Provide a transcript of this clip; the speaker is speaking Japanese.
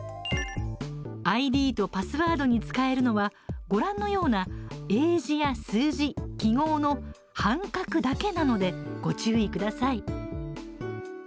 ＩＤとパスワードに使えるのはご覧のような英字や数字記号の半角だけなのでご注意ください。